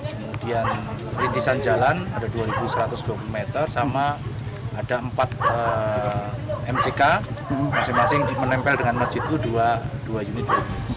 kemudian rintisan jalan ada dua satu ratus dua puluh meter sama ada empat mck masing masing menempel dengan masjid itu dua unit